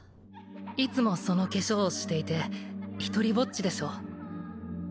いつもその化粧をしていて独りぼっちでしょ？